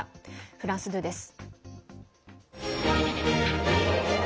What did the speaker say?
フランス２です。